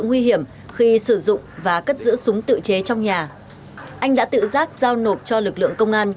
nguy hiểm khi sử dụng và cất giữ súng tự chế trong nhà anh đã tự giác giao nộp cho lực lượng công an